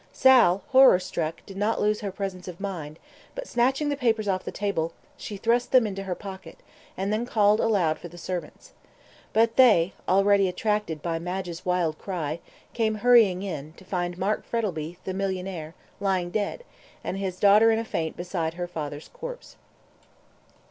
Sal, horror struck, did not lose her presence of mind, but, snatching the papers off the table, she thrust them into her pocket, and then called aloud for the servants. But they, already attracted by Madge's wild cry, came hurrying in, to find Mark Frettlby, the millionaire, lying dead, and his daughter in a faint beside her father's corpse.